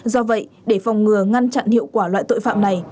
do vậy để phòng ngừa ngăn chặn hiệu quả loại tội phạm này